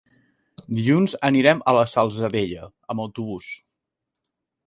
Dilluns anirem a la Salzadella amb autobús.